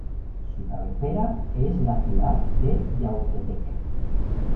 Su cabecera es la ciudad de Yautepec.